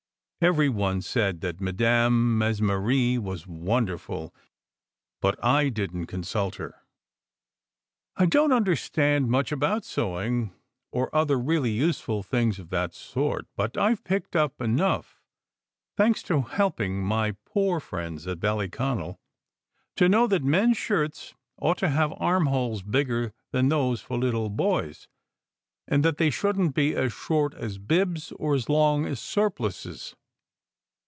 Every one said that Madame Mesmerre was wonderful, but I didn t consult her. I don t understand much about sewing or other really useful things of that sort, but I ve picked up enough (thanks to helping my poor friends at Ballyconal) to know that men s shirts ought to have armholes bigger than those for little boys, and that they shouldn t be as short as bibs, or as long as surplices.